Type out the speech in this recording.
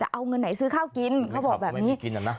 เอาเงินไหนซื้อข้าวกินเขาบอกแบบนี้